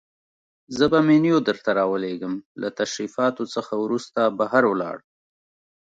زه به منیو درته راولېږم، له تشریفاتو څخه وروسته بهر ولاړ.